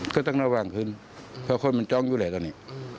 ก็ต้องระวังขึ้นเพราะคนมันจ้องอยู่แล้วตอนนี้